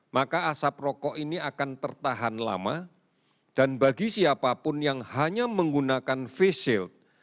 maka asap rokok ini akan tertahan lama dan bagi siapapun yang hanya menggunakan face shield